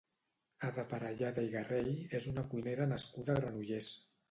Ada Parellada i Garrell és una cuinera nascuda a Granollers.